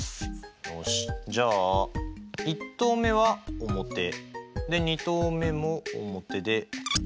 よしじゃあ１投目は表２投目も表で。